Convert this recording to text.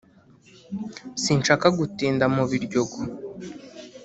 sinashakaga gutinda mu Biryogo